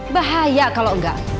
bahaya kalau enggak